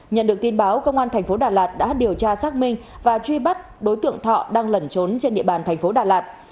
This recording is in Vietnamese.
nhận được tin báo công an thành phố đà lạt đã điều tra xác minh và truy bắt đối tượng thọ đang lẩn trốn trên địa bàn thành phố đà lạt